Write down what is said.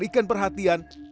sebelum mereka menangkap